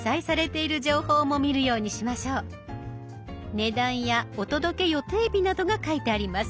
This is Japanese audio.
値段やお届け予定日などが書いてあります。